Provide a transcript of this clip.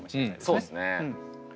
そうですね。